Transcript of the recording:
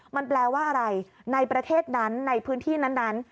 มันแปลว่าอะไรในประเทศนั้นในพื้นที่นั้น